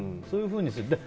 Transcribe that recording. そういうふうにする。